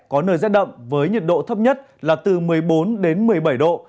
có nơi rét đậm với nhiệt độ thấp nhất là từ một mươi bốn đến một mươi bảy độ